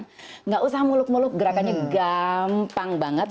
tidak usah muluk muluk gerakannya gampang banget